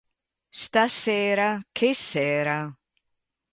Stasera... che sera!